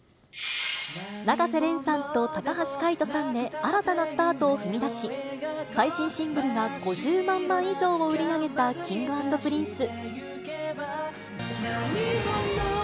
永瀬廉さんと高橋海人さんで新たなスタートを踏み出し、最新シングルが５０万枚以上を売り上げたＫｉｎｇ＆Ｐｒｉｎｃｅ。